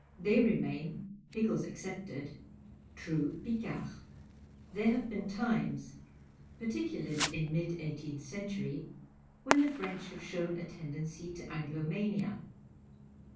they remain (pickles excepted) true Picards. There have been times (particularly in mid cifrhtecnth eent\iry) when the French have shown a tendency to Anglomania.